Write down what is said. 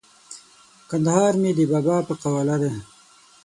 کندهار مې د بابا په قواله دی!